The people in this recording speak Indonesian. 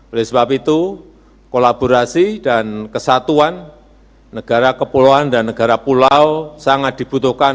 oleh sebab itu kolaborasi dan kesatuan negara kepulauan dan negara pulau sangat dibutuhkan